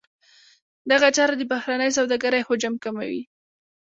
دغه چاره د بهرنۍ سوداګرۍ حجم کموي.